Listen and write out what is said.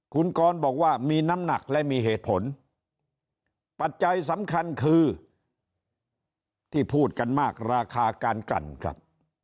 คุณกรบอกว่ามีน้ำหนักและมีเหตุผลปัจจัยสำคัญคือที่พูดกันมากราคาการกลั่นครับ